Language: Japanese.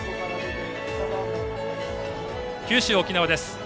九州・沖縄です。